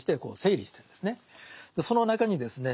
その中にですね